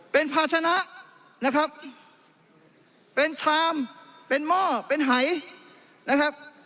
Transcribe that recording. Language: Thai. เป็นภาชนะเป็นชามเป็นหม้อเป็นหาย